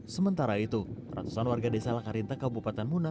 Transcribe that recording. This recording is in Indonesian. sementara itu ratusan warga desa lakarinta kabupaten muna